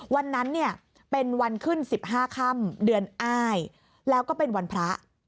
วันนั้นเนี่ยเป็นวันขึ้น๑๕ค่ำเดือนอ้ายแล้วก็เป็นวันพระ